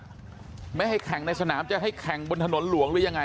ไม่ให้แข่งในสนามจะให้แข่งบนถนนหลวงหรือยังไง